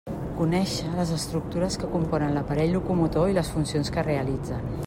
Conéixer les estructures que componen l'aparell locomotor i les funcions que realitzen.